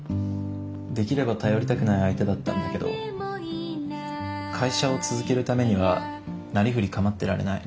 できれば頼りたくない相手だったんだけど会社を続けるためにはなりふり構ってられない。